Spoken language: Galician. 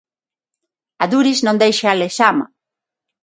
Adúriz non deixa Lezama.